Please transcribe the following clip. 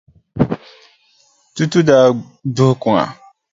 Tutu daa duhi kuŋa.